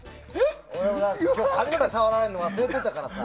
髪の毛触られるの忘れてたからさ。